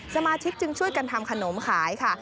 สมาชิกจึงช่วยกันทำขนมขายค่ะ